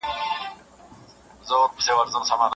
نور د خپلي میني په تورونو ګرفتار ښه یم